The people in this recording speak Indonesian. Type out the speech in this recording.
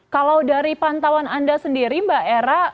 kalau dari pantauan anda sendiri mbak era